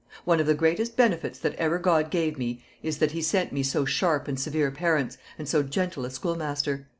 One of the greatest benefits that ever God gave me is, that he sent me so sharp and severe parents, and so gentle a schoolmaster.